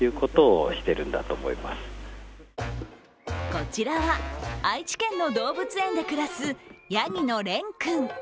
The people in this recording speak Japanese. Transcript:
こちらは愛知県の動物園で暮らすやぎのれんくん。